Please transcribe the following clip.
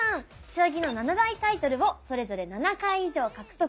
将棋の七大タイトルをそれぞれ７回以上獲得。